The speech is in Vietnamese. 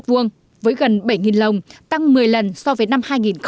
với gần bảy lồng tăng một mươi lần so với năm hai nghìn một mươi